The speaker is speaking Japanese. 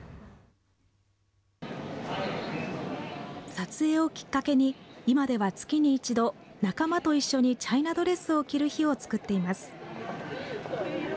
撮影をきっかけに今では月に１度、仲間と一緒にチャイナドレスを着る日を作っています。